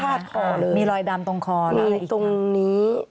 อันนี้ตรงนี้